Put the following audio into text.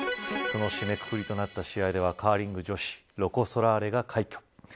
その締めくくりとなった試合ではカーリング女子ロコ・ソラーレが快挙。